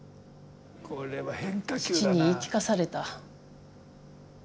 父に言い聞かされた。